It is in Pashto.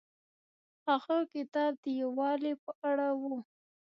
هغه کتاب د یووالي په اړه و.